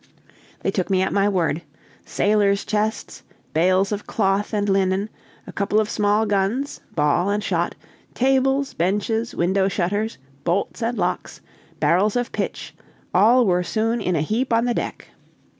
They took me at my word: sailors' chests, bales of cloth and linen, a couple of small guns, ball and shot, tables, benches, window shutters, bolts and locks, barrels of pitch, all were soon in a heap on the deck.